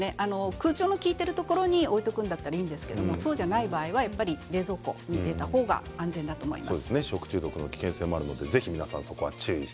空調が効いているところに置いておくのはいいんですけれどそうじゃない場合は冷蔵庫の方が安全だと思います。